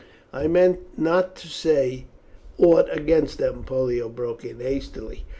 "I meant not to say aught against them," Pollio broke in hastily.